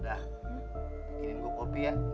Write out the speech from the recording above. udah bikinin gue kopi ya